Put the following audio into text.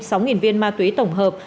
sáu nghìn viên ma túy tổng hợp